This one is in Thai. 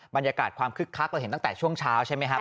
บรรยากาศความคึกคักเราเห็นตั้งแต่ช่วงเช้าใช่ไหมครับ